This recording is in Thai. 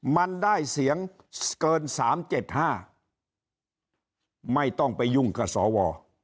มันได้เสียงเกินสามเจ็ดห้าไม่ต้องไปยุ่งกับสอวอ